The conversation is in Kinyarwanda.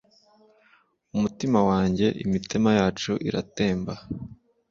umutima wanjye - imitima yacu iratemba